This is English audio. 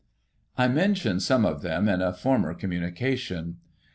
I mentioned some of them in a former communication.